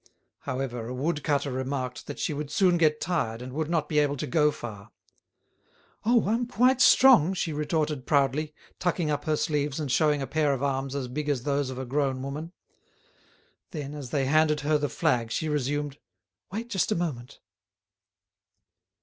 However, a woodcutter remarked that she would soon get tired, and would not be able to go far. "Oh! I'm quite strong," she retorted proudly, tucking up her sleeves and showing a pair of arms as big as those of a grown woman. Then as they handed her the flag she resumed, "Wait just a moment."